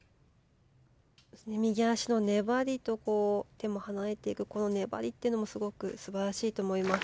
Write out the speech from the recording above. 右足の粘りと手も離れていく粘りというのもすごく素晴らしいと思います。